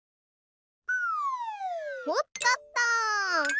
おっとっと！